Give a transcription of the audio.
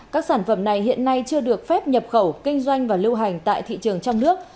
các sản phẩm này hiện nay chưa được phép nhập khẩu kinh doanh và lưu hành tại thị trường trong nước